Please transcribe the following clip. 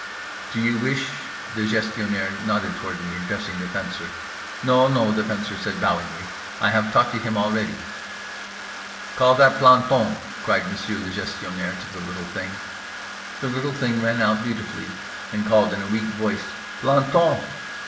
"Do you wish?"—the Gestionnaire nodded toward me, addressing the Fencer. "No, no" the Fencer said bowingly. "I have talked to him already." "Call that planton!" cried Monsieur le Gestionnaire, to the little thing. The little thing ran out dutifully and called in a weak voice "_Planton!